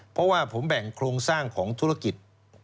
เพราะว่าผมแบ่งโครงสร้างของธุรกิจ